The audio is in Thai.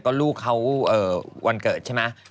ก็ลูกเขาวันเกิดใช่ไหม